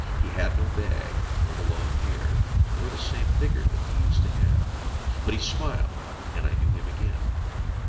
He had no bag, nor the long hair, nor the same vigour that he used to have. But he smiled, and I knew him again.